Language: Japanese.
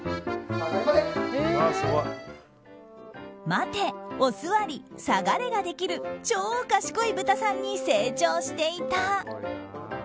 待て、お座り、下がれができる超賢いブタさんに成長していた。